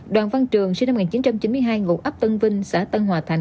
đoàn văn trường sinh năm một nghìn chín trăm chín mươi hai ngụ ấp tân vinh xã tân hòa thành